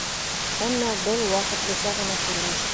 Әммә был ваҡытлыса ғына күренештер.